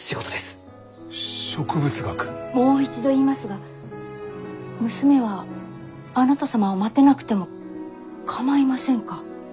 もう一度言いますが娘はあなた様を待てなくても構いませんか？